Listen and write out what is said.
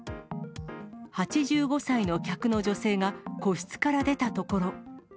８５歳の客の女性が個室から出たところ。